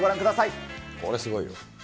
これはすごいよ。